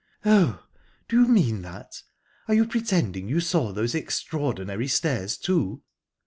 "Oh!...Do you mean that? Are you pretending you saw those extraordinary stairs, too?"